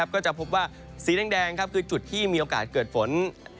ก็จะพบว่าสีแดงคือจุดที่มีโอกาสเกิดฝน